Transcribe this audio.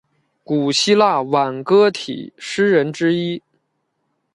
古希腊挽歌体诗人之一。